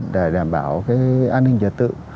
để đảm bảo các bệnh nhân của chúng ta